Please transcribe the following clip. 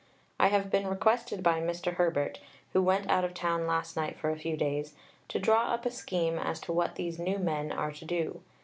I have been requested by Mr. Herbert, who went out of town last night for a few days, to draw up a scheme as to what these new men are to do.